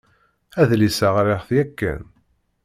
Adlis-a ɣṛiɣ-t yakan.